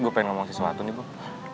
gue pengen ngomong sesuatu nih bu